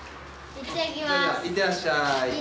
いってらっしゃい。